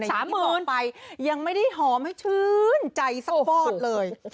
สามหมื่นอย่างที่บอกไปยังไม่ได้หอมให้ชื้นใจสักพอดเลย